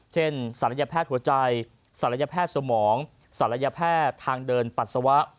ศัลยแพทย์หัวใจศัลยแพทย์สมองศัลยแพทย์ทางเดินปัสสาวะ